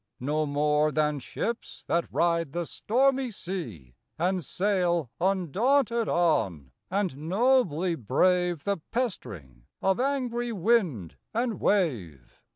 No more than ships that ride the stormy sea And sail undaunted on, and nobly brave The pestering of angry wind and wave.